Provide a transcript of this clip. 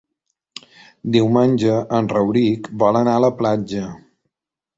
Diumenge en Rauric vol anar a la platja.